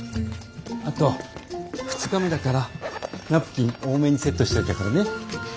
あと２日目だからナプキン多めにセットしといたからね。